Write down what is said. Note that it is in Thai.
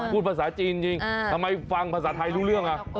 พูดภาษาจีนจริงทำไมฟังภาษาไทยรู้เรื่อง